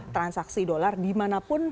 transaksi dollar dimanapun